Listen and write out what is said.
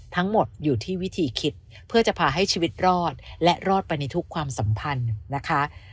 ทั้งหมดอยู่ที่วิธีคิดเพื่อจะพาให้ชีวิตรอดและรอดไปในทุกความสัมพันธ์นะคะ